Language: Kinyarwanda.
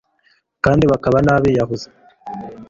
kandi bakaba nabiyahuzi